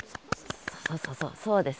そうそうそうそうです。